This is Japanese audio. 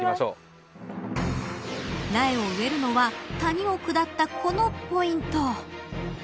苗を植えるのは谷を下ったこのポイント。